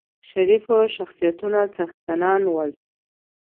شریفو شخصیتونو څښتنان ول.